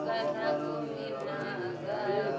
nah saya mau lihat musik